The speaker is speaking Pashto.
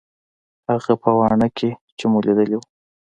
هغه په واڼه کښې چې مو ليدلي وو.